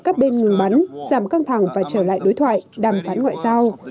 các bên ngừng bắn giảm căng thẳng và trở lại đối thoại đàm phán ngoại giao